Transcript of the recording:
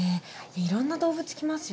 いろんな動物来ますよね。